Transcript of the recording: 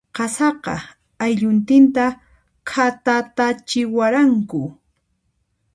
Qasaqa, aylluntinta khatatatachiwaranku.